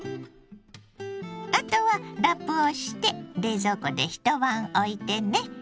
あとはラップをして冷蔵庫で一晩おいてね。